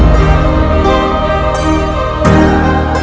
saya akan memperbaiki